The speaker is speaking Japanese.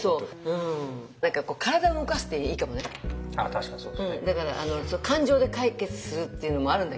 確かにそうですね。